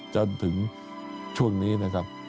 จนถึงช่วงนี้นะครับ